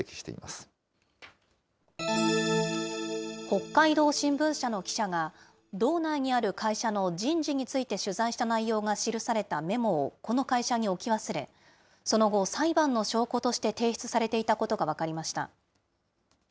北海道新聞社の記者が、道内にある会社の人事について取材した内容が記されたメモをこの会社に置き忘れ、その後、裁判の証拠として提出されていたことが分かりました。